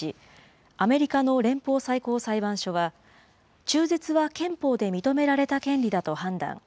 アメリカの連邦最高裁判所は中絶は憲法で認められた権利だと判断。